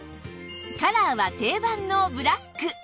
カラーは定番のブラック